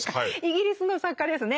イギリスの作家ですね